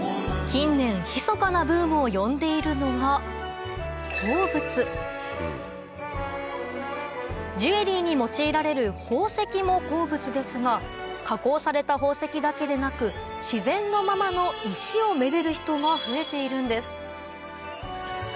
近年ひそかなブームを呼んでいるのがジュエリーに用いられる宝石も鉱物ですが加工された宝石だけでなく自然のままの石を愛でる人が増えているんです